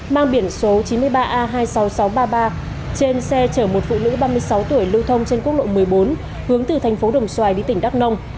mang biển số chín mươi ba a hai mươi sáu nghìn sáu trăm ba mươi ba trên xe chở một phụ nữ ba mươi sáu tuổi lưu thông trên quốc lộ một mươi bốn hướng từ thành phố đồng xoài đi tỉnh đắk nông